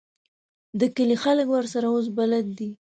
د کلي خلک ورسره اوس بلد دي.